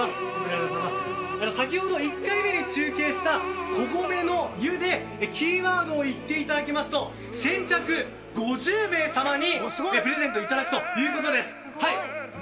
１回目で中継した、こごめの湯でキーワードを言っていただくと先着５０名さまにプレゼントしていただくということです。